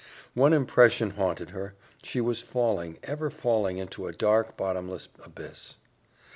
One impression haunted her she was falling, ever falling into a dark, bottomless abyss.